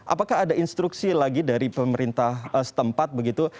apakah ada instruksi lagi dari pemerintah setempat begitu